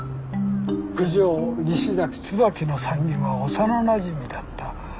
九条西崎椿の３人は幼なじみだった。